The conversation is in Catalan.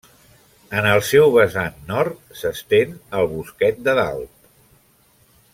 En el seu vessant nord s'estén el Bosquet de Dalt.